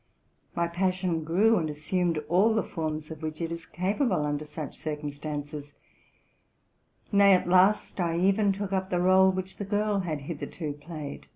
My passion grew, and assumed all the forms of which it is capable under such circumstances ; nay, at last I even took up the rdle which the girl had hitherto played.